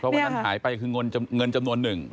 วันนั้นหายไปคือเงินจำนวนหนึ่ง